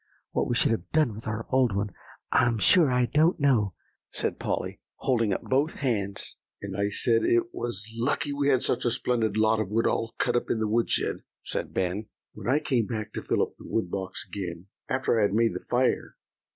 What we should have done with our old one, I'm sure I don't know," said Polly, holding up both hands. "And I said, it was lucky we had such a splendid lot of wood all cut in the woodshed," said Ben, "when I came back to fill up the wood box again, after I had made the fire.